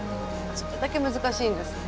それだけ難しいんですね。